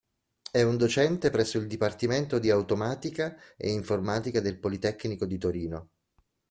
È un docente presso il Dipartimento di Automatica e Informatica del Politecnico di Torino.